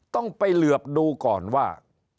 ต้องไปเหลือบดูก่อนว่า